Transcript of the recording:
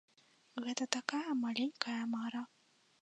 Гэта такая маленькая мара.